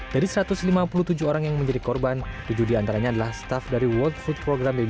dari korban tujuh di antaranya adalah staf dari world food program bbb